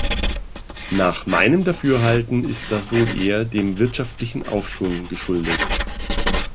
Nach meinem Dafürhalten ist das wohl eher dem wirtschaftlichen Aufschwung geschuldet.